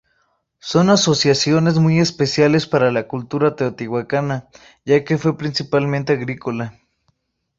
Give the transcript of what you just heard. Son asociaciones muy especiales para la cultura Teotihuacana ya que fue principalmente agrícola.